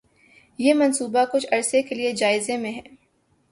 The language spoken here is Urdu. یہ منصوبہ کچھ عرصہ کے لیے جائزے میں ہے